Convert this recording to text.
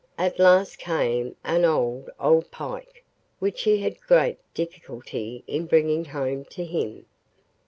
At last came an old, old pike, which he had great difficulty in bringing home to him.